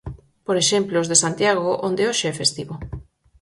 Por exemplo, os de Santiago, onde hoxe é festivo.